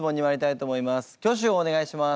挙手をお願いします。